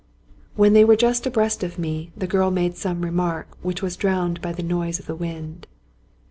When they were just abreast of me, the girl made some remark which was drowned by the noise of the wind.